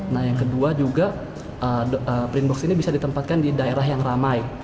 nah yang kedua juga print box ini bisa ditempatkan di daerah yang ramai